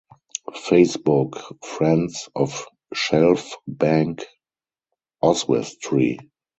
Facebook - Friends of Shelf Bank, Oswestry.